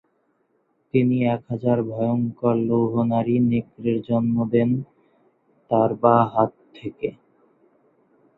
তিনি এক হাজার ভয়ংকর লৌহ নারী-নেকড়ের জন্ম দেন তাঁর বাঁ হাত থেকে।